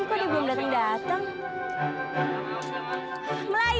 aduh si togar mana sih